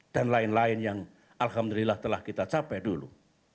dan lain lain yang alhamdulillah telah kita capai dulu